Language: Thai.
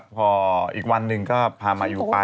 พออีกวันหนึ่งก็พามายูไป